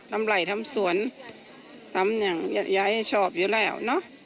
ทำไหล่ทำสวนทำอย่างย้ายชอบอยู่แล้ว